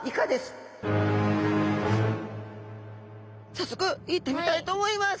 早速いってみたいと思います。